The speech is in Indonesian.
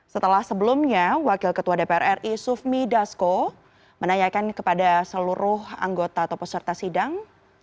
setelah sebelumnya wakil ketua dpr ri sufmi dasko menanyakan kepada seluruh anggota atau peserta sidang